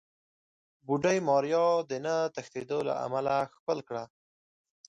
بوډۍ ماريا د نه تښتېدو له امله ښکل کړه.